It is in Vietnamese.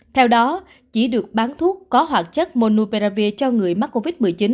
theo đó chỉ được bán thuốc có hoạt chất monuperavir cho người mắc covid một mươi chín